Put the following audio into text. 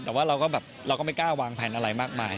แต่ว่าเราก็แบบเราก็ไม่กล้าวางแผนอะไรมากมาย